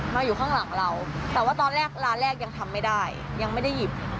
มาอยู่ข้างหลังเราแต่ว่าตอนแรกร้านแรกยังทำไม่ได้ยังไม่ได้หยิบ